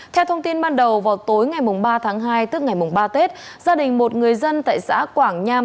theo thông tin ban đầu vào tối ngày ba tháng hai tức ngày ba tết gia đình một người dân tại xã quảng nham